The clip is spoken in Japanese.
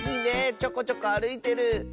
ちょこちょこあるいてる。